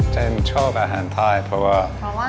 ฉันชอบอาหารไทยเพราะว่า